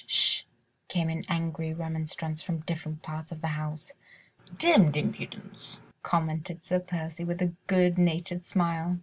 Sh!" came in angry remonstrance from different parts of the house. "Demmed impudence," commented Sir Percy with a good natured smile.